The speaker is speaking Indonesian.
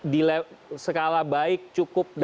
di skala baik cukup dan kurang